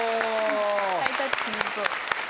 ハイタッチしに行こう。